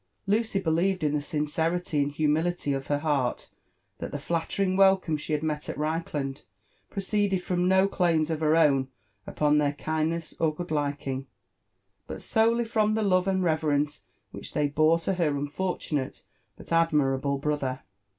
Lucy believed in the sincerity and humility of her heart that the flattering welcome she had met at Reichland proceeded from no claims of her own upon their kindness or good liking, but solely from the love and reverence which they bore to her unfortunate but ad mirable brother.